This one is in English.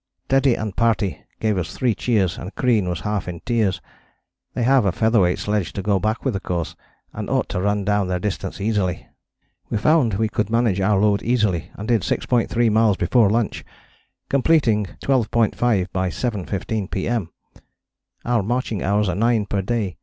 "Teddy and party gave us three cheers, and Crean was half in tears. They have a feather weight sledge to go back with of course, and ought to run down their distance easily. We found we could manage our load easily, and did 6.3 miles before lunch, completing 12.5 by 7.15 P.M. Our marching hours are nine per day.